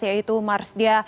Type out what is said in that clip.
yaitu marsdia henry alfian